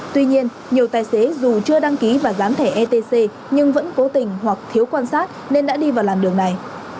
tuy nhiên nhiều tài xế dù chưa đăng ký và dán thẻ etc nhưng vẫn cố tình hoặc thiếu quan sát nên đã đi vào làn đường này